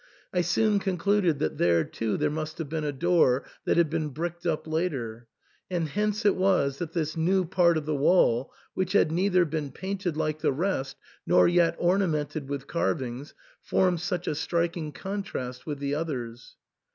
I soon concluded that there too there must have been a door, that had been bricked up later ; and hence it was that this new part of the wall, which had neither been painted like the rest, nor yet ornamented with carvings, formed such a striking contrast with the others.